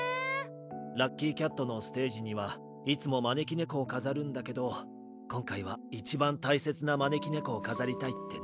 ＬＵＣＫＹＣＡＴのステージにはいつもまねきねこをかざるんだけどこんかいはいちばんたいせつなまねきねこをかざりたいってね。